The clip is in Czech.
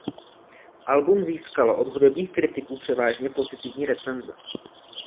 Album získalo od hudebních kritiků převážně pozitivní recenze.